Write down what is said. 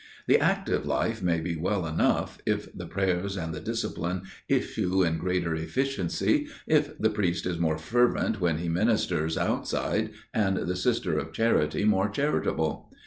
The Active Life may be well enough, if the prayers and the discipline issue in greater efficiency, if the priest is more fervent when he ministers outside, and the sister of charity more charitable.